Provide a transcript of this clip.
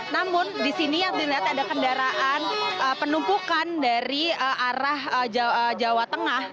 namun di sini yang dilihat ada kendaraan penumpukan dari arah jawa tengah